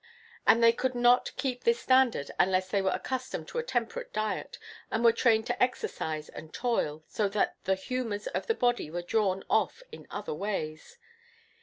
And they could not keep to this standard unless they were accustomed to a temperate diet, and were trained to exercise and toil, so that the humours of the body were drawn off in other ways.